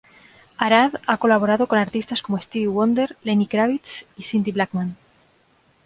Arad ha colaborado con artistas como Stevie Wonder, Lenny Kravitz y Cindy Blackman.